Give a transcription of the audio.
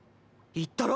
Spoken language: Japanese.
言ったろ？